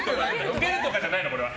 ウケるとかじゃないの、これは。